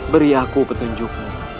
beri aku petunjukmu